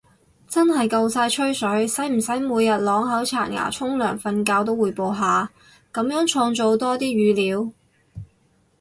真係夠晒吹水，使唔使每日啷口刷牙沖涼瞓覺都滙報下，噉樣創造多啲語料